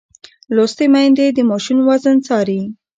لوستې میندې د ماشوم وزن څاري.